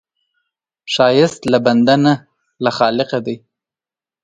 ښایست له بنده نه، له خالقه دی